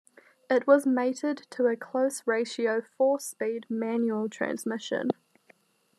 It was mated to a close ratio four-speed manual transmission.